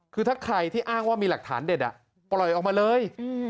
คือถ้าใครที่อ้างว่ามีหลักฐานเด็ดปล่อยออกมาเลย